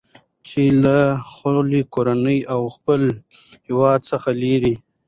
چې له خپلې کورنۍ او له خپل هیواد څخه لېرې